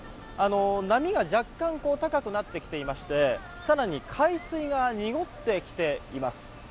波が若干高くなってきていまして更に海水が濁ってきています。